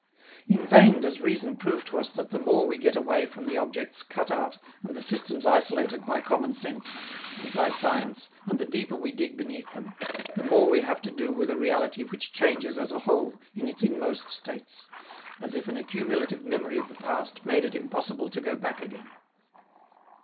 In vain does reason prove to us that the more we get away from the objects cut out and the systems isolated by common sense and by science and the deeper we dig beneath them, the more we have to do with a reality which changes as a whole in its inmost states, as if an accumulative memory of the past made it impossible to go back again.